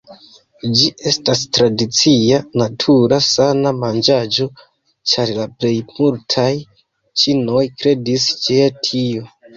Ĝi estas tradicia natura sana manĝaĵo ĉar la plej multaj ĉinoj kredis je tio.